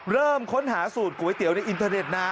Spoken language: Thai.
เริ่มค้นหาสูตรก๋วยเตี๋ยวในอินเทอร์เน็ตนาน